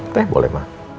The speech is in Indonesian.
teh boleh mak